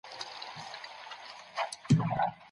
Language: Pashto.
موږ په پښتو کي سياست پوهنه کاروو.